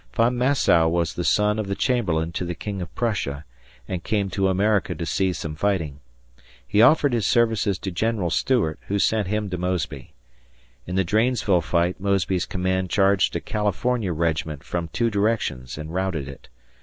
Von Massow was the son of the chamberlain to the King of Prussia and came to America to see some fighting. He offered his services to General Stuart who sent him to Mosby. In the Dranesville fight Mosby's command charged a California regiment from two directions and routed it.